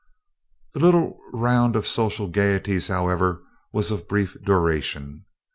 The little round of social gayeties, however, was of brief duration.